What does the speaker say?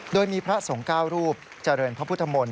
โดยมีพระสงฆ์๙รูปเจริญพระพุทธมนต